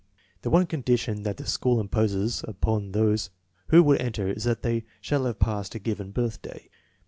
The one condition that the school imposes upon those who would enter is that they shall have passed a given birthday.